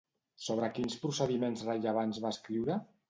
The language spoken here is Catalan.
Sobre quins procediments rellevants va escriure?